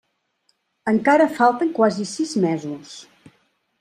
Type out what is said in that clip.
Encara falten quasi sis mesos!